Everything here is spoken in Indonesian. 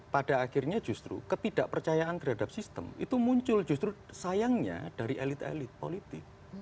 pada akhirnya justru ketidakpercayaan terhadap sistem itu muncul justru sayangnya dari elit elit politik